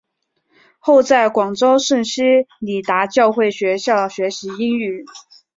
后在广州圣希理达教会学校学习英语。